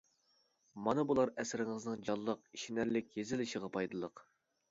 مانا بۇلار ئەسىرىڭىزنىڭ جانلىق، ئىشىنەرلىك يېزىلىشىغا پايدىلىق.